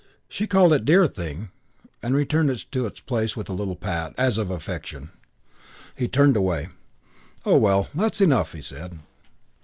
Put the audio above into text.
She called it "Dear thing" and returned it to its place with a little pat, as of affection. He turned away. "Oh, well, that's enough," he said.